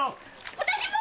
私も！